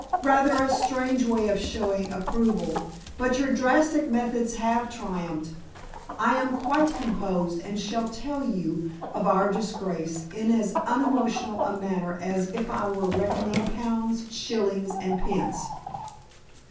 "Rather a strange way of showing approval. But your drastic methods have triumphed. I am quite composed, and shall tell you of our disgrace in as unemotional a manner as if I were reckoning pounds, shillings and pence."